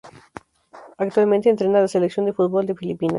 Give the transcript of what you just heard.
Actualmente entrena a la Selección de fútbol de Filipinas.